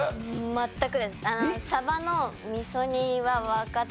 全くです。